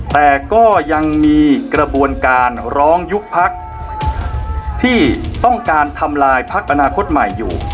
แต่ก็ยังมีกระบวนการร้องยุบพักที่ต้องการทำลายพักอนาคตใหม่อยู่